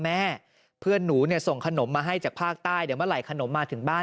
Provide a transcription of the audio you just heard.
แม่เพื่อนหนูเนี่ยส่งขนมมาให้จากภาคใต้เดี๋ยวเมื่อไหขนมมาถึงบ้าน